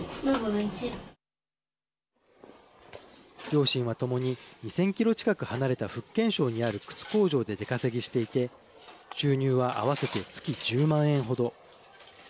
両親は共に２０００キロ近く離れた福建省にある靴工場で出稼ぎしていて収入は合わせて月１０万円ほど。